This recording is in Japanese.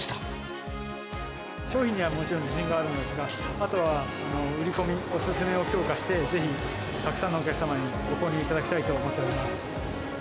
商品にはもちろん自信があるんですが、あとは売り込み、お勧めを強化して、ぜひ、たくさんのお客様にご購入いただきたいと思っております。